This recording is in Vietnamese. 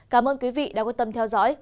cảm ơn quý vị đã quan tâm theo dõi